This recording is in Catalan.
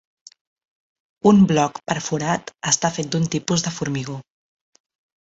Un bloc perforat està fet d'un tipus de formigó.